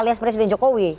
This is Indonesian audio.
lihat presiden jokowi